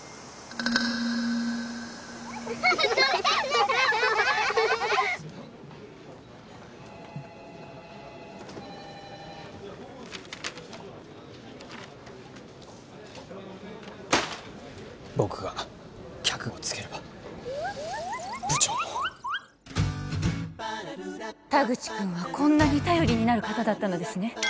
・おいしそう僕が客をつければ部長も田口君はこんなに頼りになる方だったのですね